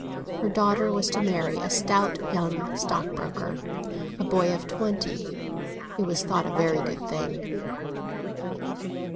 Her daughter was to marry a stout young stockbroker, a boy of twenty; it was thought a very good thing.